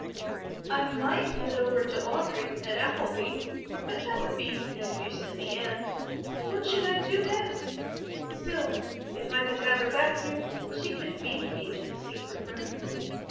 "I might get over to Audry at Appleby, but that would be no use in the end; what should I do next? Still if I could have her back here, she could feed me in the secret room.